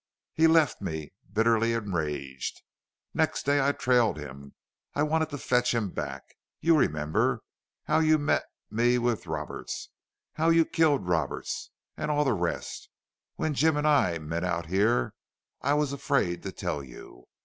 He left me bitterly enraged. Next day I trailed him. I wanted to fetch him back.... You remember how you met me with Robert how you killed Roberts? And all the rest?... When Jim and I met out here I was afraid to tell you.